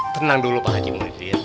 tenang dulu pak haji muhyiddin